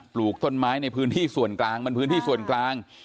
ปลูกต้นไม้ในพื้นที่ส่วนกลางมันพื้นที่ส่วนกลาง